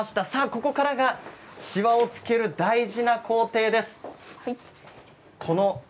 ここからがしわをつける大事な工程です。